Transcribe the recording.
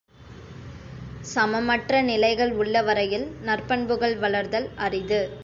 சமமற்ற நிலைகள் உள்ளவரையில் நற்பண்புகள் வளர்தல் அரிது.